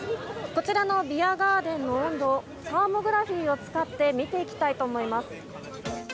こちらのビアガーデンの温度をサーモグラフィーを使って見ていきたいと思います。